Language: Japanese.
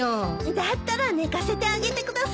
だったら寝かせてあげてください。